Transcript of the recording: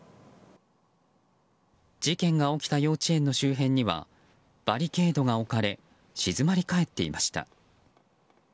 事件が起きた幼稚園の周辺にはバリケードが置かれ静まり返っていました。